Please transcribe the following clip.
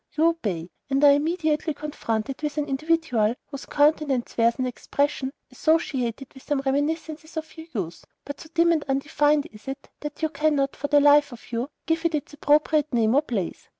You obey, and are immediately confronted with an individual whose countenance wears an expression associated with some reminiscences of your youth, but so dim and undefined is it, that you cannot, for the life of you, give it its appropriate name or place.